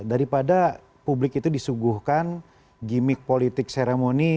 daripada publik itu disuguhkan gimmick politik seremoni